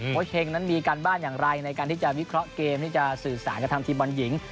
เฮงนั้นมีการบ้านอย่างไรในการที่จะวิเคราะห์เกมที่จะสื่อสารกับทำทีมบอลหญิง